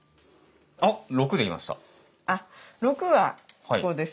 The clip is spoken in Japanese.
あっ６はここですね。